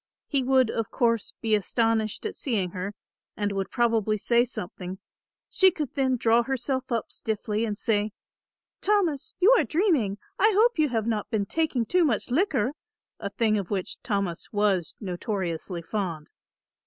He would, of course, be astonished at seeing her and would probably say something; she could then draw herself up stiffly and say; "Thomas, you are dreaming, I hope you have not been taking too much liquor," a thing of which Thomas was notoriously fond.